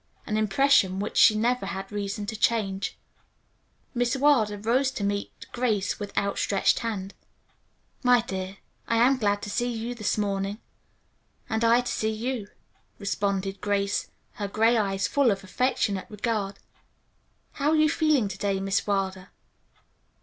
An impression which she never had reason to change. Miss Wilder rose to meet Grace with outstretched hand. "My dear, I am glad to see you this morning." "And I to see you," responded Grace, her gray eyes full of affectionate regard. "How are you feeling to day, Miss Wilder?"